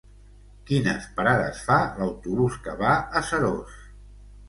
Quines parades fa l'autobús que va a Seròs?